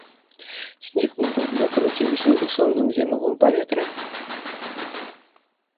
Снег марудна круціўся ў сумным зімовым паветры.